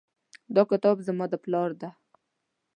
دا کتاب زما د پلار ده